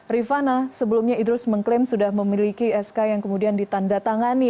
rifana sebelumnya idrus mengklaim sudah memiliki sk yang kemudian ditanda tangani